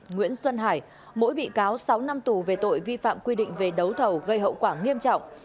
nguyễn xuân hải mỗi bị cáo sáu năm tù về tội vi phạm quy định về đấu thầu gây hậu quả nghiêm trọng